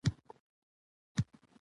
ژوند د انسان د فکر د پاکوالي غوښتنه کوي.